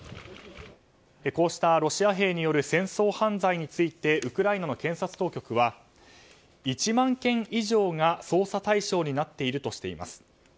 こうしたロシア兵による戦争犯罪についてウクライナの検察当局は１万件以上が捜査対象になっているとしています。